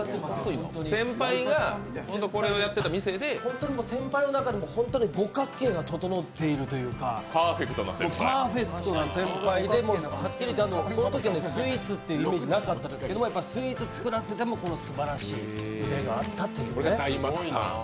先輩が本当にこれをやっていた店で先輩の中でも五角形が整っているというかパーフェクトな先輩でそのときはスイーツというイメージはなかったんですけど、スイーツ作らせてもすばらしい腕があったということですね。